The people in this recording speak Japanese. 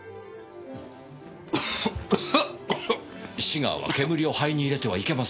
シガーは煙を肺に入れてはいけません。